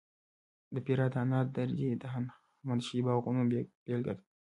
د فراه د انار درې د هخامنشي باغونو بېلګه ده